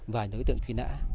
vài đối tượng truy nã